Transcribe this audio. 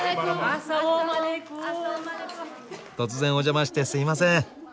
突然お邪魔してすいません。